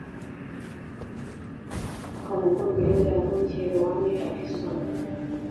Aho mu Bwongereza Yavukiye Rowan Atkinson